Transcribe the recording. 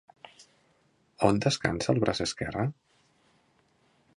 On descansa el braç esquerre?